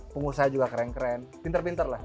pengusaha juga keren keren pinter pinter lah